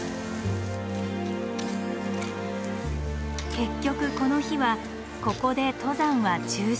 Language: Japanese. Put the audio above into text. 結局この日はここで登山は中止。